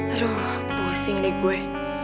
aduh pusing deh gue